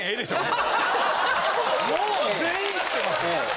もう全員知ってます。